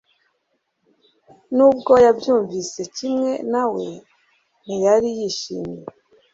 nubwo yabyumvise kimwe nawe ntiyari yishimye